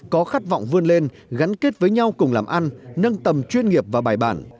có khát vọng vươn lên gắn kết với nhau cùng làm ăn nâng tầm chuyên nghiệp và bài bản